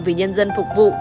vì nhân dân phục vụ